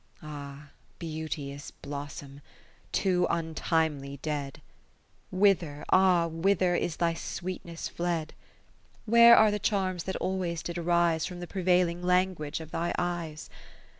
Ah, beauteous blossom, too untimely dead ! Whither, ah, whither is thy sweet ness fled ? Where are the charms that always did arise From the prevailing language of thy eyes